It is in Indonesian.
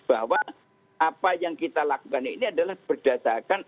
bahwa apa yang kita lakukan ini adalah berdasarkan